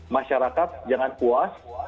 masyarakat jangan puas